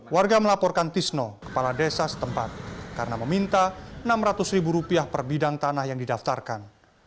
warga melaporkan tisno kepala desa setempat karena meminta rp enam ratus ribu rupiah per bidang tanah yang didaftarkan